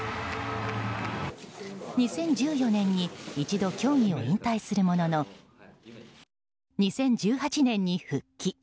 ２０１４年に一度、競技を引退するものの２０１８年に、復帰。